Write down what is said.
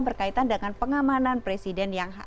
berkaitan dengan pengamanan presiden yang